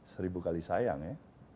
seribu kali sayang ya